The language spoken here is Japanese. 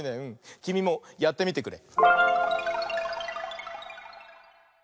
きみもやってみてくれ。